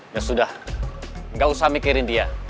ya sudah gak usah mikirin dia